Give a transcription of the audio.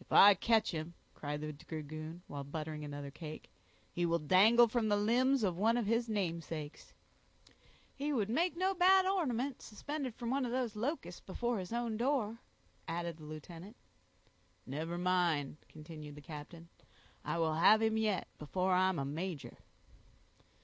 "If I catch him," cried the dragoon, while buttering another cake, "he will dangle from the limbs of one of his namesakes." "He would make no bad ornament, suspended from one of those locusts before his own door," added the lieutenant. "Never mind," continued the captain; "I will have him yet before I'm a major."